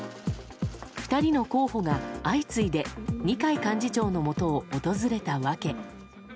２人の候補が相次いで二階幹事長のもとを訪れた訳。